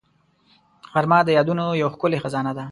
غرمه د یادونو یو ښکلې خزانه ده